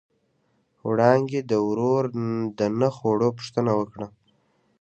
وړانګې د ورور د نه خوړو پوښتنه وکړه.